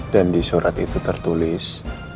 dan di surat itu tertulis